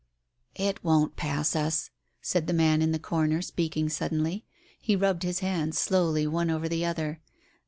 ..." It won't pass us I " said the man in the corner, speak ing suddenly. He rubbed his hands slowly one over the other.